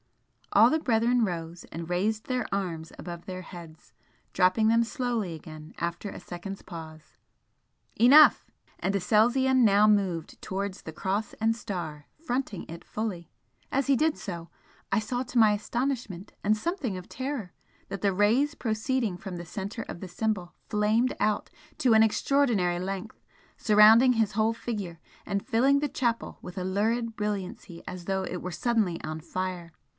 All the brethren rose, and raised their arms above their heads dropping them slowly again after a second's pause. "Enough!" and Aselzion now moved towards the Cross and Star, fronting it fully. As he did so, I saw to my astonishment and something of terror that the rays proceeding from the centre of the Symbol flamed out to an extraordinary length, surrounding his whole figure and filling the chapel with a lurid brilliancy as though it were suddenly on fire.